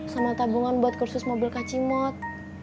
sama tabungan buat kursus mobil kak cimot